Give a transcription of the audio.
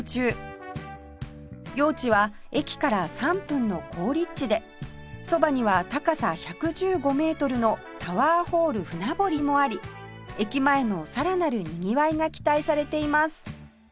用地は駅から３分の好立地でそばには高さ１１５メートルのタワーホール船堀もあり駅前のさらなるにぎわいが期待されています